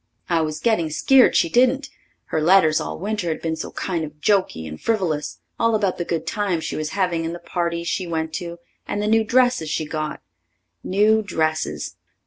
I was getting skeered she didn't, her letters all winter had been so kind of jokey and frivolous, all about the good times she was having, and the parties she went to, and the new dresses she got. New dresses!